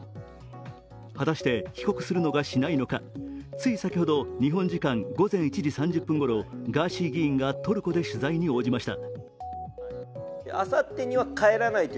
果たして帰国するのか、しないのかつい先ほど、日本時間午前１時３０分ごろガーシー議員がトルコで取材に応じました。